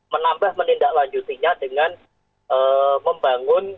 menambah menindaklanjutinya dengan membangun